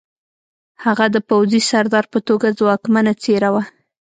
هغه د پوځي سردار په توګه ځواکمنه څېره وه